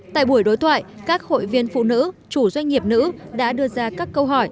tại buổi đối thoại các hội viên phụ nữ chủ doanh nghiệp nữ đã đưa ra các câu hỏi